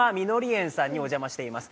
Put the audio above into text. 園にお邪魔しています。